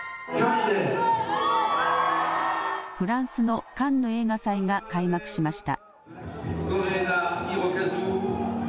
フランスのカンヌ映画祭が開幕しました。